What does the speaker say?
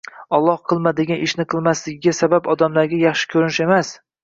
Alloh qilma degan ishni qilmasligiga sabab odamlarga yaxshi ko'rinish emas